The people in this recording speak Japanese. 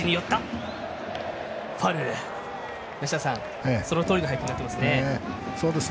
梨田さん、そのとおりの配球になっていますね。